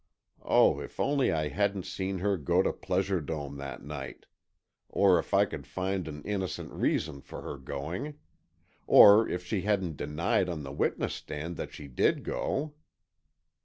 Oh, if only I hadn't seen her go to Pleasure Dome that night! Or if I could find an innocent reason for her going. Or if she hadn't denied on the witness stand that she did go.